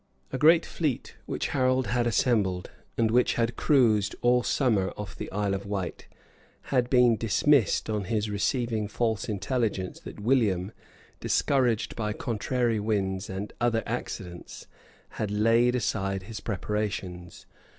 A great fleet which Harold had assembled, and which had cruised all summer off the Isle of Wight, had been dismissed on his receiving false intelligence that William, discouraged by contrary winds and other accidents, had laid aside his preparations.